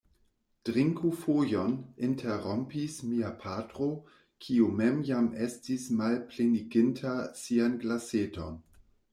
Drinku fojon, interrompis mia patro, kiu mem jam estis malpleniginta sian glaseton.